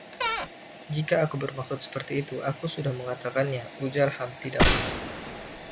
‘Jika aku bermaksud seperti itu, aku sudah mengatakannya,’ ujar Humpty Dumpty.